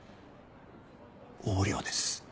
横領です。